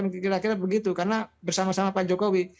kira kira begitu karena bersama sama pak jokowi